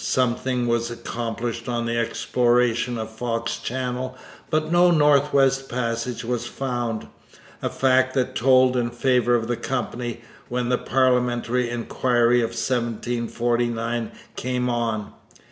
Something was accomplished on the exploration of Fox Channel, but no North West Passage was found, a fact that told in favour of the Company when the parliamentary inquiry of 1749 came on.